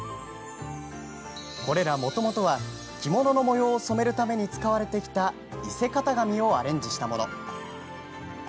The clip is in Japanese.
これら、もともとは着物の模様を染めるために使われてきた伊勢型紙をアレンジしたもの。